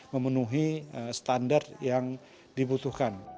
memenuhi standar yang dibutuhkan